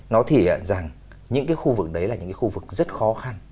nó thể hiện rằng những cái khu vực đấy là những cái khu vực rất khó khăn